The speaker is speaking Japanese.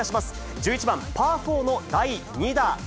１１番パー４の第２打。